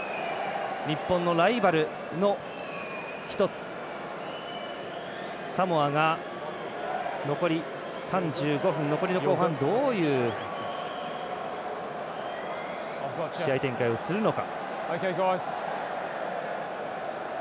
日本のライバルの一つサモアが残り３５分、残りの後半どういう試合展開をするのか。